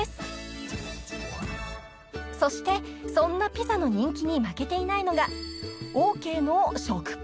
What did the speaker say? ［そしてそんなピザの人気に負けていないのがオーケーの］